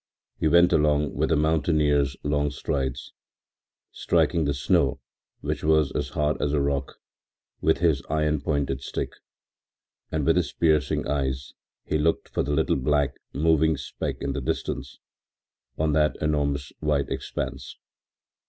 He went along with a mountaineer's long strides, striking the snow, which was as hard as a rock, with his iron pointed stick, and with his piercing eyes he looked for the little black, moving speck in the distance, on that enormous, white expanse.